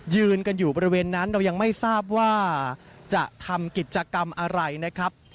ยืนกันอยู่บริเวณนั้นเรายังไม่ทราบว่าจะทำกิจกรรมอะไรนะครับ